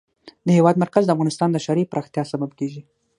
د هېواد مرکز د افغانستان د ښاري پراختیا سبب کېږي.